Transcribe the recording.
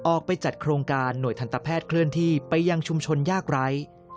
ออกไปจัดโครงการหน่วยทันตแพทย์เคลื่อนที่ไปยังชุมชนยากไร้